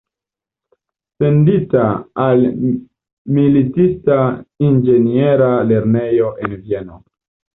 Sendita al militista inĝeniera lernejo en Vieno.